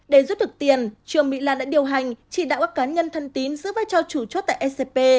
để giúp được tiền trương mỹ lan đã điều hành chỉ đạo các cá nhân thân tín giữ vai cho chủ chốt tại scp